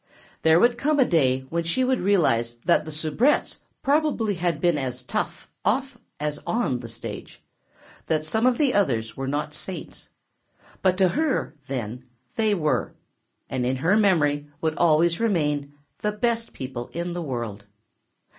There would come a day when she would realize that the soubrettes probably had been as "tough" off as on the stage—that some of the others were not saints. But to her, then, they were, and in her memory would always remain, the best people in the world.